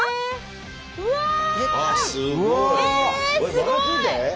すごい！